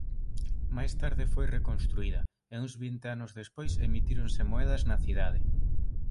Máis tarde foi reconstruída e uns vinte anos despois emitíronse moedas na cidade.